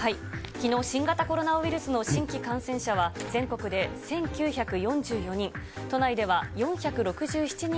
きのう、新型コロナウイルスの新規感染者は、全国で１９４４人。